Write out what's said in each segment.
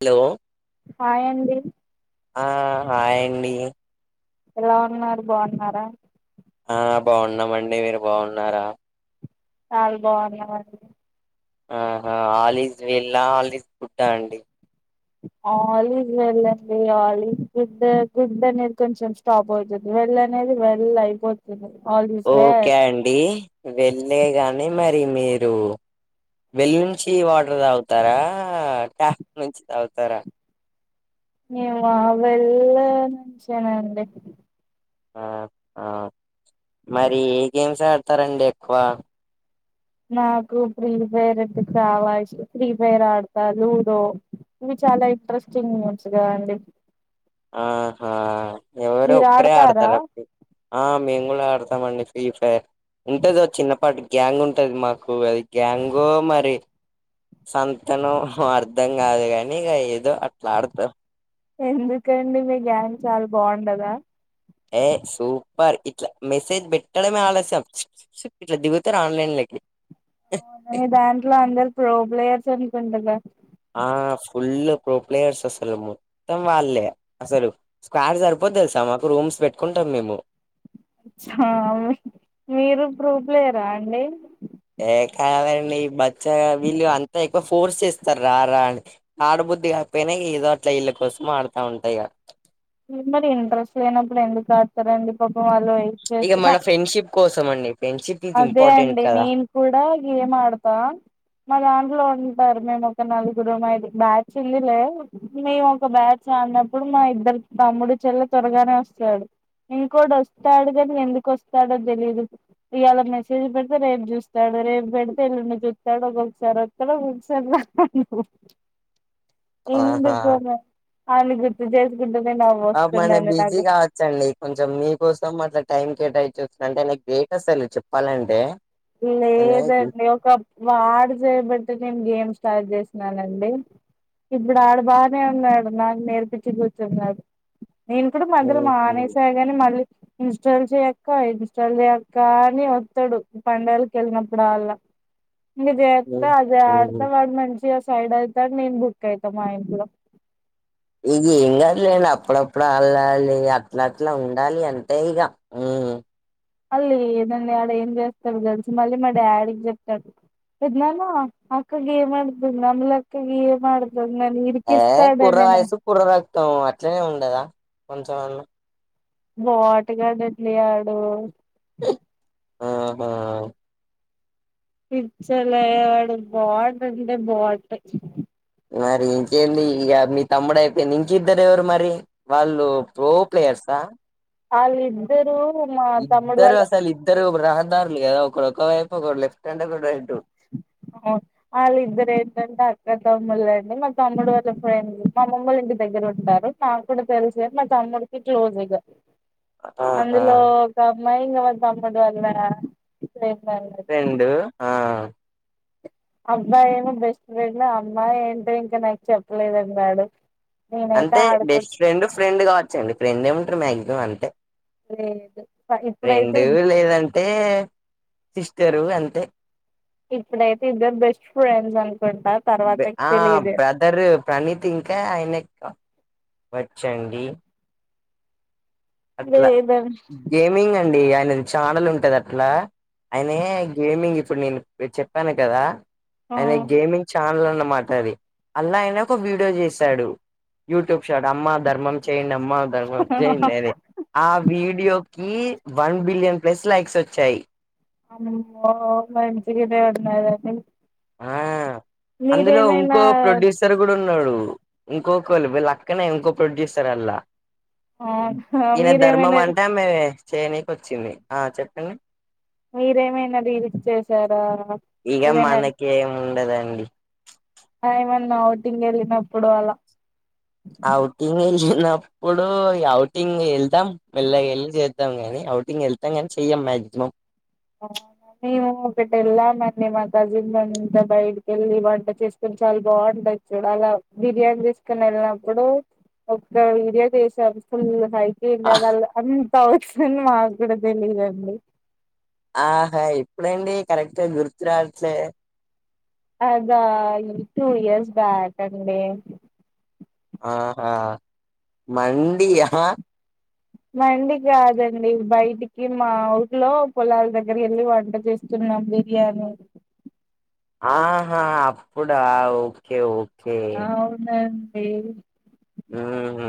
Hello hi అండి. ఆ hi అండి. ఎలా ఉన్నారు బావున్నారా. ఆ బాగున్నామండి మీరు బాగున్నారా చాల్ బాన్నామండి. ఆహా ఆలిస్ వెల్ల ఆలిస్ గుడ్ ఆ అండి. ఆలీస్ వెళ్ళండి ఆలిస్ గుడ్ గుడ్ అనేది కొంచెం స్టాప్ అవుతుంది వెల్ళనేది వెళ్ల్ అయిపోతుంది. ఆల్ ఈజ్ ఓకే వెల్ అండి. వెళ్ళేగానీ మరి మీరు వెళ్ నుంచి ఇవాల వెల్ తాగుతారా ట్యాప్ నుంచి తాగుతారా నీ వ వెల్ నుంచేనండి. ఆ ఆ మరి ఏ గేమ్స్ ఆడతారండి ఎక్కువ నాకు ఫ్రీ ఫైర్ అంటే చాలా ఇష్టం ఫ్రీ ఫైర్ ఆడతాను రో ఇవి చాలా ఇంట్రెస్టింగ్ నుంచిగా అండి. ఆహా ఎవరు మీరు ఒక్కరే ఆడతారా ఆడతార ఆ మేము కూడా ఆడతామండి ఫ్రీ ఫైర్ ఉంటదో చిన్నపాటి గ్యాంగ్ ఉంటది మాకు అది గ్యాంగో మరి సంతనో అర్థం కాదు కానీ ఇక ఏదో అట్లా ఆడతాం. ఎందుకండి మీ గ్యాంగ్ చాలా బాగుండదా ఏ సూపర్ ఇట్లా మెసేజ్ పెట్టడమే ఆలస్యం ఇట్లా దిగుతారు ఆన్లైన్లోకి మీ దాంట్లో అందరు ప్రోబ్లయర్స్ అనుకుండగా ఆ ఫుల్ ప్రో ప్లేయర్స్ అసలు మొత్తం వాళ్ళే అసలు స్క్వేర్ సరిపోద్దు తెలుసా మాకు రూమ్స్ పెట్టుకుంటాం మేము హా అవును మీరు ప్రూప్లేయరా అండి. ఏ కాదండి బచ్చగా వీళ్ళు అంతా ఎక్కువ ఫోర్స్ చేస్తారు రారా అని ఆడబుద్ధి కాకపోయినా ఏదో అట్ల వీళ్ళ కోసం ఆడుతా ఉంటా ఇక మరి ఇంట్రెస్ట్ లేనప్పుడు ఎందుకు ఆడుతారండి పాపం వెయిట్ ఇక చేస్తున్నా మన ఫ్రెండ్షిప్ కోసం అండి ఫ్రెండ్షిప్ ఇది అదే ఇంపార్టెంట్ అండి కదా నేను కూడా గేమ్ ఆడతా మా దాంట్లో ఉన్ ఉంటారు మేము ఒక నలుగురుమఐదు బ్యాచ్ ఉంది లే మేము ఒక బ్యాచ్ ఆడినప్పుడు మా ఇద్దరు తమ్ముడు చెల్లె త్వరగానే వస్తాడు ఇంకోడు వస్తాడు కానీ ఎందుకు వస్తాడో తెలీదు ఇవాలా మెసేజ్ పెడితే రేపు చూస్తాడు రేపు పెడితే ఎల్లుండి చూస్తాడు ఒక్కొక్కసారి వస్తాడు ఒక్కొక్కసారి రాడు ఆహా ఎందుకో మరి ఆన్నిగుర్తు చేసుకుంటే ఏమైనా బిజీ కావచ్చండి కొంచెం మీకోసం అట్లా టైం కేటాఇంచి వస్తుంటే నాకు గ్రేట్ అసలు చెప్పాలంటే అంటే లేదండి ఒక వాడు చేయబట్టి నేను గేమ్స్ స్టార్ట్ చేసినానండి ఇప్పుడు ఆడు బానే ఉన్నాడు నాకు నేర్పించి కూర్చున్నాడు. నేను కూడా మధ్యలో మానేసా కాని మళ్ళీ ఇన్స్టాల్ చేయక్క ఇన్స్టాల్ చేయక్కా అని వస్తాడు. పండగల్కి వెళ్ళినప్పుడు అల్ల ఇదిత్తె అదే ఆడతావా మంచిగా స్కొ సైడ్ అవుతాడ్ నేను బుక్ అవుతా మా ఇంట్లో ఇది ఏమ్ గాదులేండి అప్ అప్పుడప్పుడు అళ్లాలి అట్లా అట్లా ఉండాలి అంతే ఇగ ఉమ్ మళ్ళీ దాన్నాడ ఏం చేస్తాడు తెల్సా మళ్ళీ మా డాడికి చెప్తాడు పెద్దనాన్నా అక్క గేమ్ ఆడుతుంది అమ్లక్క గేమ్ ఆడుతుంది గ నన్ ఇరికిస్తాడ నే మొత్తం అట్లనే ఉండదా కొంచెం అన్న బాటుగాడెట్లే ఆడు అ ఆహా పిచ్చలా వాడు బోటంటే బోట్ మరి ఇంకేంది ఇగ మీ తమ్ముడు అయిపోయింది ఇంకిద్దరు ఎవరు మరి వాళ్ళు ప్రో ప్లేయర్సా అళిద్దరు ఇద్దరు అసలు ఇద్దరు రహ లు గద ఒకరోకవైపు ఒకడ్ అలిద్దరు ఎంటంటే అక్క తమ్ ములండి మా తమ్ముడు వాళ్ళ ఫ్రెండ్ మామ్మోలింటి దగ్గర ఉంటారు నాకు కూడా తెలిసు మా తమ్ముడికి క్లోజిగ ఆ ఆ అందులో ఒక మైయింగా వాళ్ళా తమ్ముడు వాళ్ళ ఫ్రెండ్ అన్నట్టు రెండు ఆ హ అబ్బాయేమో బెస్ట్ ఫ్రెండ్ అమ్మాయి ఏంటో ఇంకా నాకు చెప్పలేదండి ఆడు అంతే బెస్ట్ ఫ్రెండ్ ఫ్రెండ్ కావచ్చండి. రెండే ఉంటర్ మాక్సిమం అంతే, ఆడుకోలేదు ఇప్పుడైతే రెండు లేదంటే సిస్టరు అంతే ఇప్పుడైతే ఇద్దరు బెస్ట్ ఫ్రెండ్ అం ఆ బ్రదరు ప్రణీత్ ఇంకా, ఆయన వచ్చండి. అట్లా లేదం గేమింగ్ అండి ఆయనది ఛానెల్ ఉంటది అట్లా ఆయన గేమింగ్ ఇట్ ఇప్పుడు నేను మీ చెప్పాను కదా! ఆ ఆయన గేమింగ్ ఛానల్ ఉన్నా మాటది అల్లా ఆయనా ఒక వీడియో చేశాడు, యూట్యూబ్ చూడు అమ్మ ధర్మం చేయండమ్ అమ్మ ధర్మం చేయండి, అని ఆ వీడియోకి వన్ బిలియన్ ప్ల స్ లైక్స్ వచ్చాయి. అవునుంచిడున్నాద [inaudible] ఆ అందులో ఉంకో ప్రొడ్యూసర్ కూడ ఉన్నడు ఇంకొకళ్ళు వీళ్ళఅక్కనే ఇంకో ప్రొడ్యూసర్ అంట ఆ ఈనే ధర్మ మీరేమైనా మంటే అమే చేయనికి వచ్చింది ఆ చెప్పని మీరేమైనా రీల్స్ చేసరా ఇగ మనకి ఏమి ఉండదండి మా ఔటింగ్ ఎల్లినప్పుడు అలా అవుటింగ్ ఎళ్ళినప్పుడు ఇగ ఔటింగ్ ఎల్తం మెల్లగా ఎళ్ళి చేద్దాం గాని ఔటింగ్ ఎళ్తాం కాని చెయ్యం మాక్సిమం మేము ఒకటి ఎళ్ళామండి మా కజిన్ అంతా బయటకి వెళ్ళి వంట చేసుకొని చాలా బాగుండచ్చు అలా బిర్యానీ తీసుకొని వెళ్ళినప్పుడు ఒక వీడియో తీసామ్ ఫుల్ హై ఏ అద ఆహ్! అ [unintelligible] పౌట్స్ అని మాకు కూడ తెలీదండి ఆహా ఎప్పుడండి కరెక్ట్ గా గుర్తురావట్లే అదా టూ ఇయర్స్ బ్యాక్ అండి ఆహా మండియమ మండి కాదండి. బయటికి మా ఊర్లో పొలాల దగ్గర వెళ్ళి వంట చేస్కున్నాం బిర్యానీ ఆహా అప్పుడా ఓకే ఓ అవునా ఏ హుమ్ హూ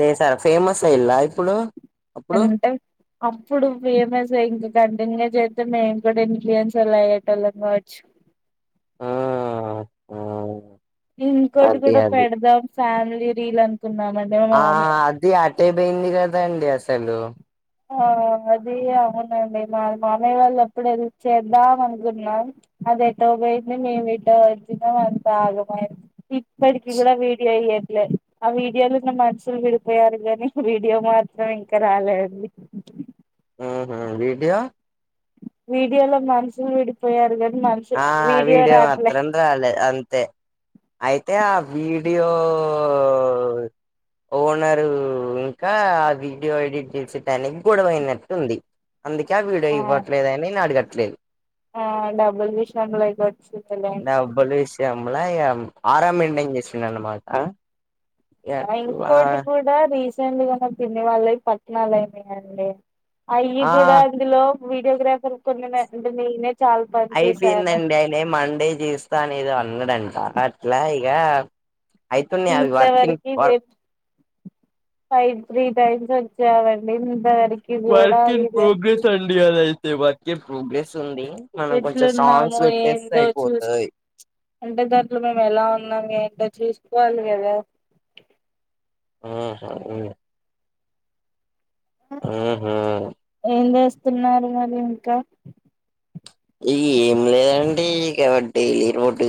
చేసార ఫేమస్ అయ్యిందా ఇప్పుడు అప్పుడు అంటే అప్పుడు ఫేమస్ అయ్యింద్ ఇంగ చేతే మేమ్ కూడ ఇన్ఫ్లుయెన్సర్లు అయ్యేటోలం కావచు ఆ అ ఇంకోటి కూడ పెడదాం ఫ్యామిలీ రీల్ అనుకున్నామండి మా ఆ మామే తెలు ఆ అది అవునండి మా మామయ్య వాళ్ళు అప్పుడు హెల్ప్ చేద్దాం అనుకున్నాం అది ఎటో పోయింది మేము ఎటో వచ్చినాం అంత ఆగమైం ఇప్పటికి కూడ వీడియో ఎ ఆ వీడియోలున్న మనుషులు విడిపోయారు గాని వీడియో మాత్రం ఇంకా రాలేదండి ఆహ వీడియో వీడియో లో మనుషులు విడిపోయారు గా ఆ వీడియో మాత్రం రాలే అంతే అయితే ఆ వీడియో ఓనరు ఇంకా ఆ వీడియో ఎడిట్ చేసటానికి గొడవైనట్టుంది అందుకే ఆ వీడియో ఇవ్వట్లేదని నాడ్ లేద్ ఆ డబ్ డబ్బులు విషయంల ఎం ఆర్ ఎమ్ మెయింటైన్ నన్న మాట రైన్ కోట్ కూడా రీసెం తినేవాళ్ళ పట్టణాల అయినాయంండి అయ్యి ఆ కూడా అందులో ఫోటోగ్రాఫర్ ఐపోయిందండి అయినా మండే జీర్స్తాన్ ఇద ఉండడంట అట్లా ఇగ అయితున్నయి అవి వర్క్ ఇన్ ఇంతవరకు వర్క్ ఫైవ్ త్రీ టైమ్స్ వచ్చావండి ము వర్క్ ఇన్ ప్రోగ్రెస్ అండి అదయితే మ సాంగ్స్ ఎట్లున్నాముో పెట్టేస్తే ఏందో చూసి అయిపోతది అంటే దాంట్లో మేము ఎలా ఉన్నాం ఏంటో చసుకోలుగద ఊహు ఊహు వస్తున్నారు మరి ఇంకా ఈ ఏం లేదండి ఇక డైలీ రోడ్డు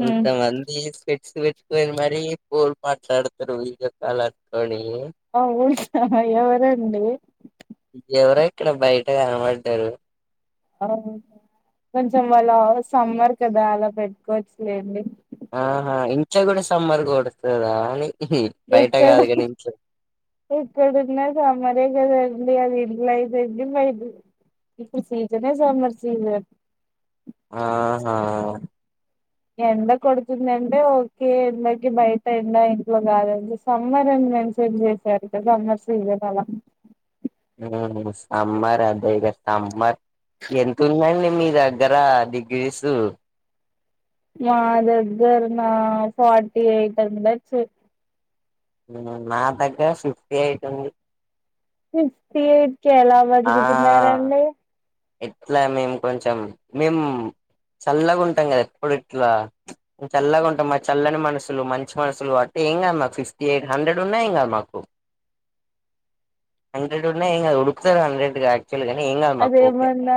కొంత మంది పెట్టుకని మరి పోల్ మాట్లాడతారు ఇ కాాలట్టుకొని అవును ఆ ఎవరండి ఎవరో ఇక్కడ బయట కనబడ్డారు అ కొంచెం వల్ల సమ్మర్ కదా అలా పెట్టుకోవచ్చులేండి ఆహా ఇంట్ల గూడా సమ్మర్ కొడస్తదా ఎక్కడు ఎక్కడున్నా సమ్మర్ ఏ కదండీ డి అది ఇల్లుఐతేంటి బయటతే ఏంది ఇప్పుడు సీజన్ సమ్మర్ సీజన్ ఆహా ఎండ కొడుతుందంటే ఓకే బట్ బయట ఎండ ఇంట్లో గాలి సమ్మర్ అని మెన్షన్ చేసారు కదా సమ్మర్ సీజన్ అలా హ సమ్మర్ అదేగా సమ్మర్ ఎంత ఉందండి మీ దగ్గర డిగ్రీస్ మా దగ్గర నా ఫార్టీ ఎయిట్ ఉండొచ్చు నా దగ్గర ఫిఫ్టీ ఎయిట్ ఉంది ఫిఫ్టీ ఎయిట్ కెలా ఆ బతుకుతున్నారండి ఎట్లా మేము కొంచెం మేము చల్లగా ఉంటాం గదా ఎప్పుడు ఇట్లా చల్లగా ఉంటాం మా చల్లని మనసులు మంచి మనసులు కాబట్టి ఏం కాదు మాకు ఫిఫ్టీ ఎయిట్ హండ్రెడ్ ఉన్నా ఏం కాదు మాకు హండ్రెడ్ ఉన్నాయి ఏం కాదు ఉడుకు ఒకసారి హండ్రెడ్ గా అదే ఏమన్నా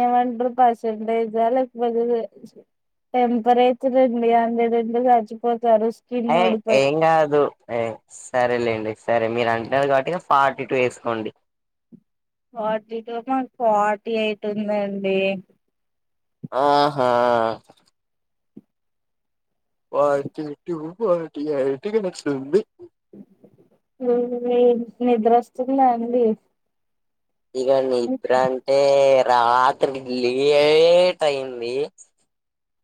ఏమంటారు పర్సెంటేజ్ ఆ లేకపోతే టెంపరేచర్ అండి హాండ్రాడ్ ఉంటే చచ్చిపోతారు స్కిన్ ఏ ఊడిపోయి ఏం గాదు ఏ సరేలేండి సరే మీర్ అంటాన్రు కాబట్టి ఇగా ఫార్టీ టూ ఎసుకోండి. ఫార్టీ టూ మాకు ఫార్టీ ఎయిట్ ఉందండి. ఆ హా. Forty two. ఫార్టీ ఐట్ ఇగ నెక్ట్ నుండి. లేదు లేదు, నిద్రోస్తుంద అండి? ఇగోండి ఇబ్రా అంటే. రాత్రి లేట్ అయింది.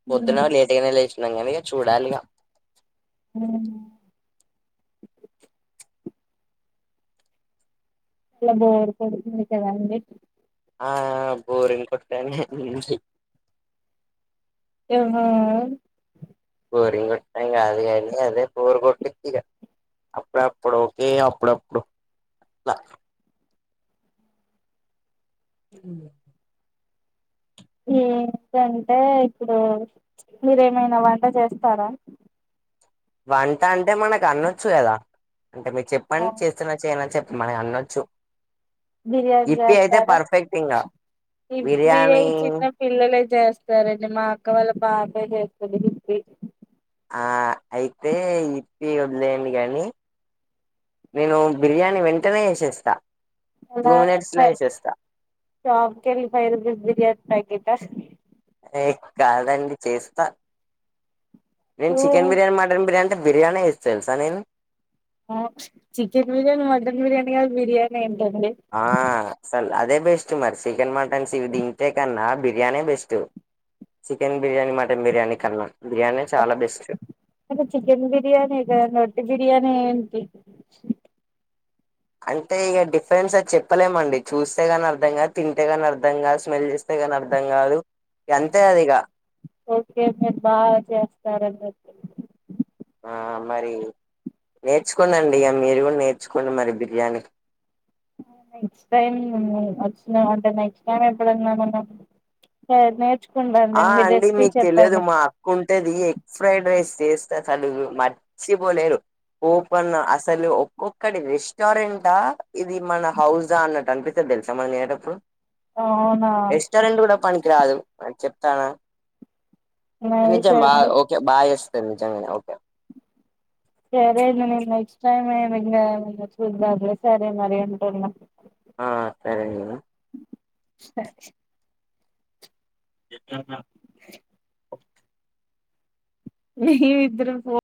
పొద్దున లేటుగనే లేస్ నంగానే ఇగ చూడాలిగ. ఉమ్ ట్ల బోర్ కొడుతుంది కదా అండి? ఆ బోరింగ్ కొట్టన్ ఏమో. బోరింగ్ కొట్టడం కాదు అదే బోరు కొట్టిద్దిగా, అప్పుడప్పుడు ఓకే అప్పుడప్పుడు అట్లా. ఉమ్ ఏంటంటే ఇప్పుడు, మీరేమైనా వంట చేస్తారా? వంటంటే మనకు అనొచ్చు గదా. అంటె మీరు చెప్పండి, చేస్తనా చెయ్యనా చెప్ మనకన్నోచ్చు. బిర్యాన్ జేస్తారా? ఇంగా ఇప్పి ఐ బిర్యానీ చిన్నపిల్లలై. చేస్తారండి, మా అక్క వాళ్ళ పాపే జేస్తది ఇప్పి. ఆ అయితే ఇప్పి వదిలేయండి గనీ, నేను బిర్యానీ వెంటనే ఏసేస్తా. ఎలా అంటే ఫై రు షాప్ కెళ్ళి ఫై రూపీస్ బిర్యా తగిద్దాస్ ఏ కాదండి, చేస్ ట నేన్ చికెన్ బిర్యానీ, మటన్ బిర్యానీ ట బిర్యానే జేస్త తెల్సా నేను? ఆక్స్ చికెన్ బిర్యానీ, మటన్ బిర్యానీ అ బిర్యానే ఎన్ ట్టుంది. ఆ అసలు అదే బెస్ట్ మరి చికెన్, మటన్స్ ఇవి తింటే కన్నా బిర్యానే best. Chicken biryani, mutton biryani కన్నా. బిర్యానీ చాలా బెస్ట్ గ చికెన్ బిర్యానే గదండి ఒట్టి బిర్యాన్ న ఏంటి? అంటే ఇగ డిఫరెన్స్ అది చెప్పలేమండి. చూస్తే గాని అర్థం కాదు, తింటే గాని అర్థం కాదు, స్మెల్ జేస్తే గాని అర్థం కాదు. ఇక అంతే అది ఇక ఓకే మీర్ బాగా చేస్తారన్న ఆ మరి, నేర్చుకోండండి ఇగ మీరు గూడ నేర్చుకోండి మరి బిర్యాని. నెక్స్ట్ టైం ఒచ్చినవంటే నెక్స్ట్ టైం ఎప్పుడన్నా మనం నేర్చు ఆ అండి మీకు తెలియదు మా అక్కుంటదిఎగ్ ఫ్రైడ్ రైస్ టేస్ట్ అసలు మర్చిపోలేరు ఓ పన్న అసలు ఒక్కడి రెస్టారెంటా ఇది మన హౌజా అన్నట్టు అనిపితది తెలుసా మనం తినేటప్పుడు అవునా రెస్టారెంట్ కూడా పనికి రాదు అ చెప్ ప్యానా నైస్ నిజం బాగా అండి ఓకే బాగా చేస్తది ఉమ్ ఓకే సరే నేను నెక్స్ట్ టైమ్ం ఇంకా చూద్దాం సరే మరి ఉంటున్న ఆ సరే మేడం స మీరు ఇద్దరు పో